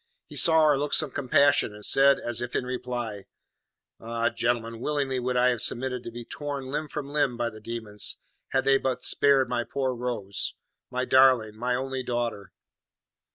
He saw our looks of compassion, and said, as if in reply: "Ah, gentlemen, willingly would I have submitted to be torn limb from limb by the demons, had they but spared my poor Rose my darling, my only daughter."